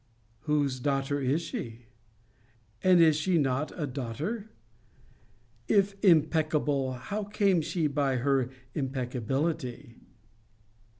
Whose daughter is she? And is she not a daughter? If impeccable, how came she by her impeccability?